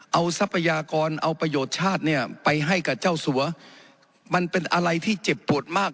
เอาทรัพยากรเอาประโยชน์ชาติเนี่ยไปให้กับเจ้าสัวมันเป็นอะไรที่เจ็บปวดมาก